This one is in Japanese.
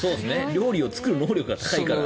料理を作る能力が高いから。